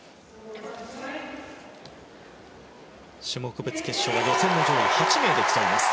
種目別決勝は予選の上位８名で競います。